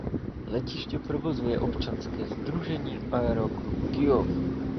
Letiště provozuje občanské sdružení Aeroklub Kyjov.